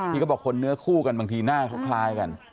เขาบอกคนเนื้อคู่กันบางทีหน้าเขาคล้ายกัน